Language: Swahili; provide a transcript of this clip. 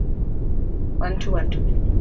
Hili lilikuwa ndilo kundi kuu hasa